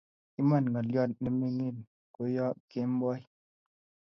Iman, ngolyo nemengen ko yoo kemboi